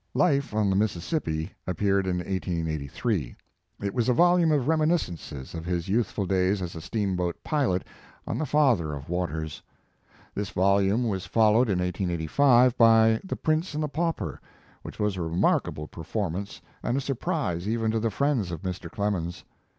"Life on the Mississippi," appeared in His Ltfe and Work. 143 1883. It was a volume of reminiscences of his youthful days as a steamboat pilot on the father of waters. This volume was followed in 1885 by "The Prince and the Pauper," which was a remarkable performance and a surprise even to the friends of Mr. Clemens.